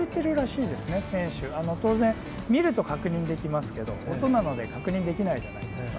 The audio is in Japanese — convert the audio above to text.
当然見ると確認できますけど音なので確認できないじゃないですか。